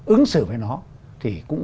ứng xử với nó thì cũng